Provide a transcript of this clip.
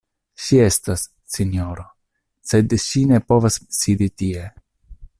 Ŝi estas, sinjoro, sed ŝi ne povas sidi tie.